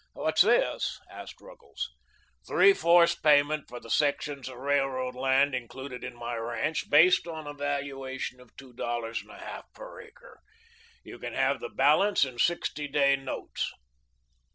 "What's this?" asked Ruggles. "Three fourths payment for the sections of railroad land included in my ranch, based on a valuation of two dollars and a half per acre. You can have the balance in sixty day notes."